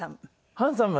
ハンサム？